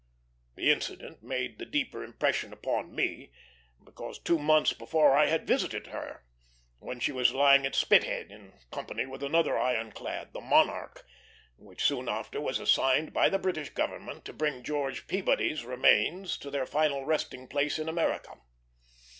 The incident made the deeper impression upon me because two months before I had visited her, when she was lying at Spithead in company with another iron clad, the Monarch, which soon after was assigned by the British government to bring George Peabody's remains to their final resting place in America.